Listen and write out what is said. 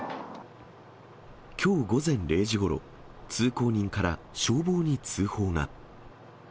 きょう午前０時ごろ、通行人から消防に通報が。